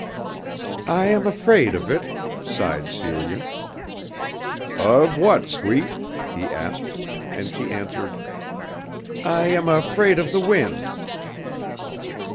"I am afraid of it," sighed Celia. "Of what, sweet?" he asked, and she answered: "I am afraid of the wind."